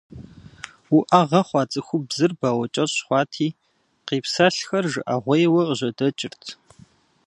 Уӏэгъэ хъуа цӏыхубзыр бауэкӏэщӏ хъуати къипсэлъхэр жыӏэгъуейуэ къыжьэдэкӏырт.